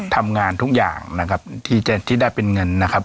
ทำงานทุกอย่างนะครับที่จะที่ได้เป็นเงินนะครับ